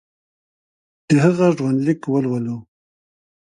د هغه ژوندلیک ولولو.